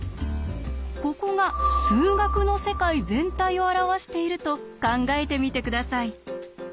ここが「数学の世界」全体を表していると考えてみて下さい。